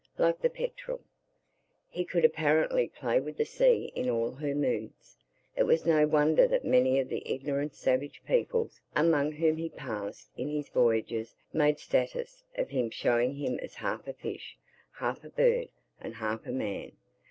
Like the petrel, he could apparently play with the sea in all her moods. It was no wonder that many of the ignorant savage peoples among whom he passed in his voyages made statues of him showing him as half a fish, half a bird, and half a man.